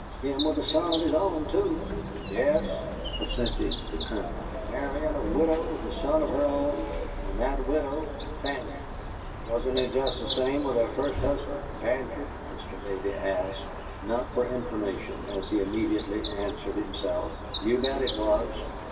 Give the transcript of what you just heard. Him with a son of his own, too!" "Yes," assented the Colonel, "marryin' a widow with a son of her own, and that widow Fanny!" "Wasn't it just the same with her first husband Bantry?" Mr. Davey asked, not for information, as he immediately answered himself. "You bet it was!